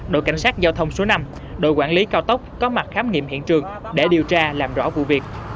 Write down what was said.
đội cảnh sát giao thông số năm đội quản lý cao tốc có mặt khám nghiệm hiện trường để điều tra làm rõ vụ việc